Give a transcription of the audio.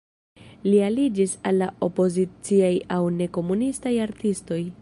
Li aliĝis al la opoziciaj aŭ ne-komunistaj artistoj.